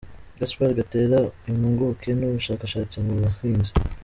-Gaspard Gatera, impuguke n’umushakashatsi mu buhinzi